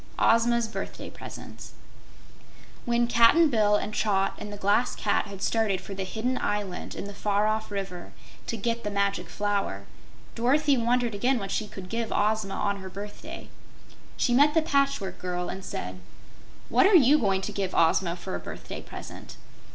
6. Ozma's Birthday Presents When Cap'n Bill and Trot and the Glass Cat had started for the hidden island in the far off river to get the Magic Flower, Dorothy wondered again what she could give Ozma on her birthday. She met the Patchwork Girl and said: "What are you going to give Ozma for a birthday present?"